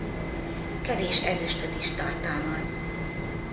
Kevés ezüstöt is tartalmaz.